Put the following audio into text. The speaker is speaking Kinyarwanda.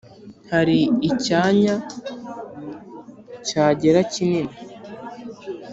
Hari icyanya cyagera kinini